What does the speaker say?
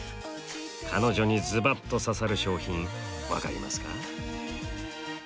彼女にズバッと刺さる商品分かりますか？